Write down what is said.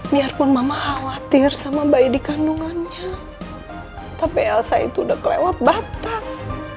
biarpun mama khawatir sama bayi di kandungannya tapi elsa itu udah kelewat batas